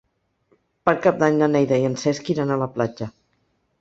Per Cap d'Any na Neida i en Cesc iran a la platja.